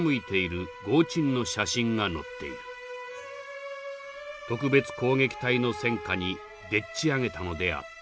特別攻撃隊の戦果にでっちあげたのであった」。